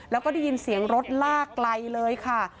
แล้วก็ได้ยินเสียงรถลากไกลเลยค่ะ